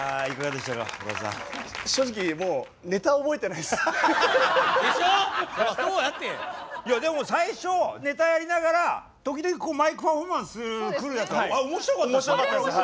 いやでも最初ネタやりながら時々マイクパフォーマンス来るやつ面白かったでしょ。